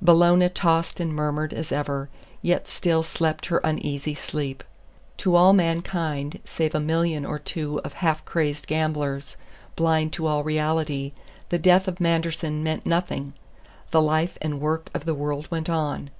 Bellona tossed and murmured as ever, yet still slept her uneasy sleep. To all mankind save a million or two of half crazed gamblers, blind to all reality, the death of Manderson meant nothing; the life and work of the world went on.